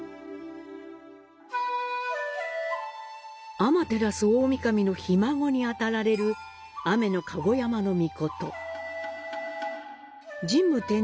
天照大御神のひ孫にあたられる天香山命。